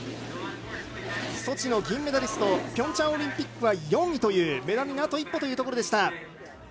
ソチの銀メダリストピョンチャンオリンピックは４位でメダルにあと一歩というところでした。